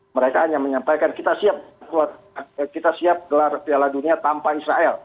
mereka hanya menyampaikan kita siap gelar piala dunia tanpa israel